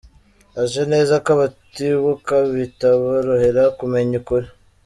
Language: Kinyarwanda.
Azi neza ko abatibuka bitaborohera kumenya ukuri.